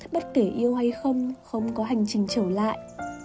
bất kể yêu hay không không có hành trình trở lại